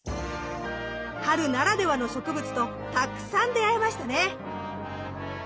春ならではの植物とたくさん出会えましたね。